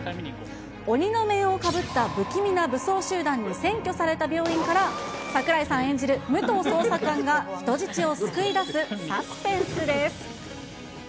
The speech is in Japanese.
鬼の面をかぶった不気味な武装集団に占拠された病院から、櫻井さん演じるむとう捜査官が人質を救い出すサスペンスです。